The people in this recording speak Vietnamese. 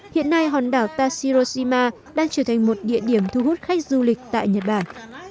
hiện nay hòn đảo tashiroshima đang trở thành một địa điểm thu hút khách du lịch tại nhật bản